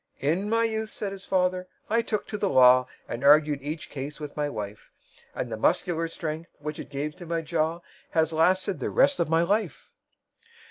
"In my youth," said his fater, "I took to the law, And argued each case with my wife; And the muscular strength, which it gave to my jaw, Has lasted the rest of my life."